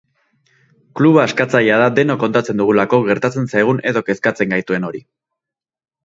Kluba askatzailea da, denok kontatzen dugulako gertatu zaigun edo kezkatzen gaituen hori.